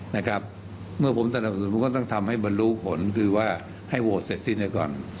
ไม่ว่าผมสนับสูญก็ต้องทำให้บรรลุผลคือว่าให้โหวตเสร็จซิ้นไว้ก่อน